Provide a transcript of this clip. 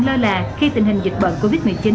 lơ là khi tình hình dịch bệnh covid một mươi chín